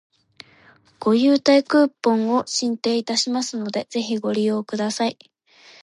ご優待クーポンを進呈いたしますので、ぜひご利用ください